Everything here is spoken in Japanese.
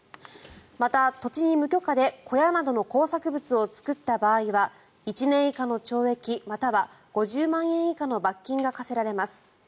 また、土地に無許可で小屋などの工作物を作った場合は１年以下の懲役または５０万円以下の罰金が科せられます。